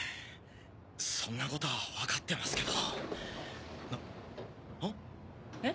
そんなことはわかってますけどあ？え？